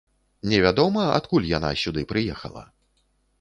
Невядома, адкуль яна сюды прыехала?